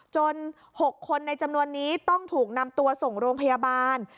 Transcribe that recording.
๖คนในจำนวนนี้ต้องถูกนำตัวส่งโรงพยาบาล